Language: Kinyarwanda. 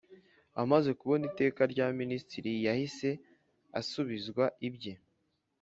Amaze kubona Iteka rya Minisitiri yahise asubizwa ibye